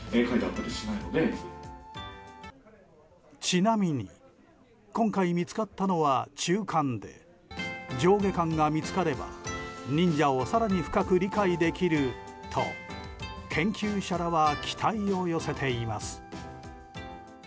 ちなみに今回見つかったのは中巻で上下巻が見つかれば忍者を更に深く理解できると研究者らは期待を寄せています。